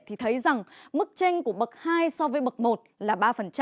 thì thấy rằng mức tranh của bậc hai so với bậc một là ba